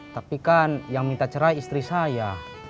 tapi kan yang minta cerai istri saya